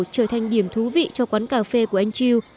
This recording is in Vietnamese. trở thành điểm thú vị cho quán cà phê của anh chiêu